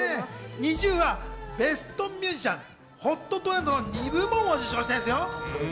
ＮｉｚｉＵがベストミュージシャン、ホットトレンドの２部門を受賞したんですよ。